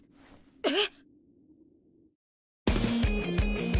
えっ！！